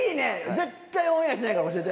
絶対オンエアしないから教えて！